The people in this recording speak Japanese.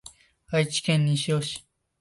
愛知県西尾市